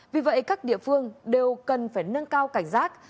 vì vậy các địa phương đều cần phải nâng cao cảnh giác